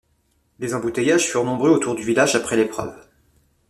Les embouteillages furent nombreux autour du village après l'épreuve.